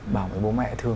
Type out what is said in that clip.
bảo với bố mẹ